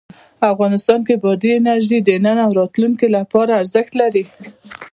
افغانستان کې بادي انرژي د نن او راتلونکي لپاره ارزښت لري.